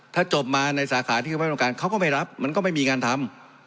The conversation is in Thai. ถ้าจบมาในสาขาที่เขาไม่ต้องการเขาก็ไม่รับมันก็ไม่มีงานทำ